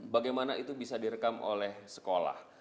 bagaimana itu bisa direkam oleh sekolah